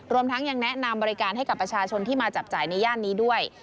รวมทั้งยังแนะนำบริการให้กับประชาชนที่มาจับจ่ายในย่านนี้ด้วย